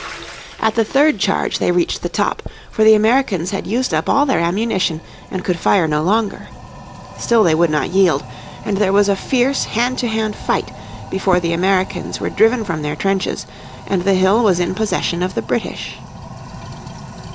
At the third charge they reached the top, for the Americans had used up all their ammunition, and could fire no longer. Still they would not yield, and there was a fierce hand to hand fight before the Americans were driven from their trenches and the hill was in possession of the British.